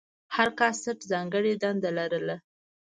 هر کاسټ ځانګړې دنده لرله.